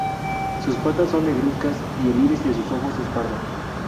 Sus patas son negruzcas y el iris de sus ojos es pardo.